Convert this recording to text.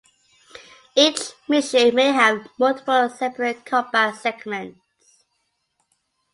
Each mission may have multiple separate combat segments.